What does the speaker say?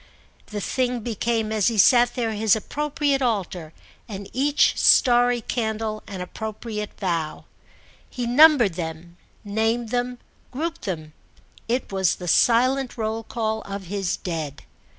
The thing became as he sat there his appropriate altar and each starry candle an appropriate vow. He numbered them, named them, grouped them—it was the silent roll call of his Dead.